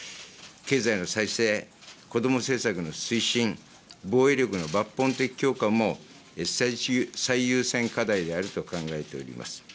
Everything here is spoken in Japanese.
経済の再生、子ども政策の推進、防衛力の抜本的強化も最優先課題であると考えております。